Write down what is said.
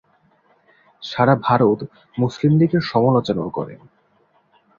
সারা Bharat Muslim league এর সমালোচনাও করেন।